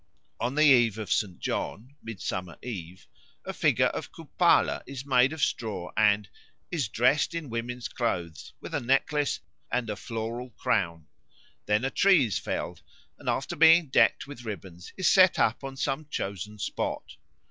'" On the Eve of St. John (Midsummer Eve) a figure of Kupalo is made of straw and "is dressed in woman's clothes, with a necklace and a floral crown. Then a tree is felled, and, after being decked with ribbons, is set up on some chosen spot.